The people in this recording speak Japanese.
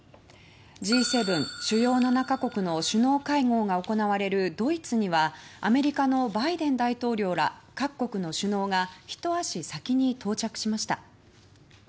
Ｇ７・主要７か国の首脳会合が行われるドイツにはアメリカのバイデン大統領ら各国の首脳がひと足先に到着しました。